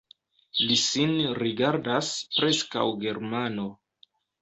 Li sin rigardas preskaŭ Germano.